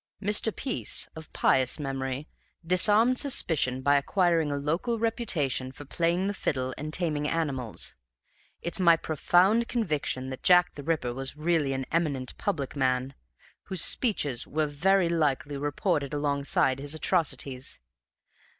Mr. Peace, of pious memory, disarmed suspicion by acquiring a local reputation for playing the fiddle and taming animals, and it's my profound conviction that Jack the Ripper was a really eminent public man, whose speeches were very likely reported alongside his atrocities.